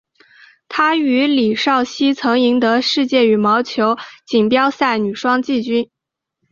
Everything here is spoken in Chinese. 她与李绍希曾赢得世界羽毛球锦标赛女双季军。